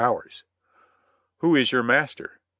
"And who is your master?"